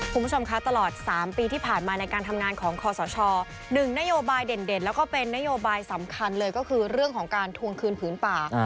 คุณผู้ชมคะตลอด๓ปีที่ผ่านมาในการทำงานของคอสช๑นโยบายเด่นแล้วก็เป็นนโยบายสำคัญเลยก็คือเรื่องของการทวงคืนผืนป่า